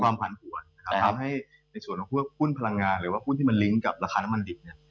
ทำให้ในส่วนของหุ้นพลังงานหรือว่าหุ้นที่มันลิงก์กับราคาน้ำมันดิบ